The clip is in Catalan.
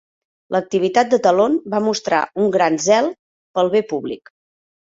L"activitat de Talon va mostrar un gran zel pel bé públic.